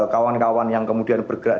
kawan kawan yang kemudian bergerak